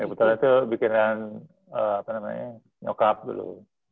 ya putra sesana itu bikin dengan apa namanya nyokap dulu